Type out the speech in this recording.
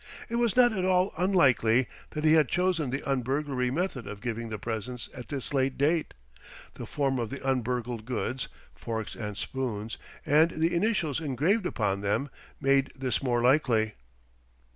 It was not at all unlikely that he had chosen the un burglary method of giving the presents at this late date. The form of the un burgled goods forks and spoons and the initials engraved upon them, made this more likely.